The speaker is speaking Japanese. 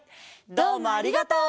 どうもありがとう。